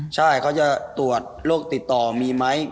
ใช่เขาจะตรวจโรคติดต่อมีไหม